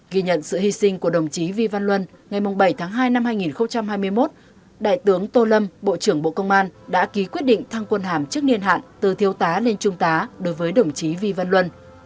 ghi nhận sự hy sinh của đồng chí vy văn luân ngày bảy tháng hai năm hai nghìn hai mươi một đại tướng tô lâm bộ trưởng bộ công an đã ký quyết định thăng quân hàm trước niên hạn từ thiếu tá lên trung tá đối với đồng chí vy văn luân